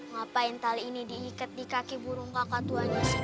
ngapain tali ini diikat di kaki burung kakak tuanya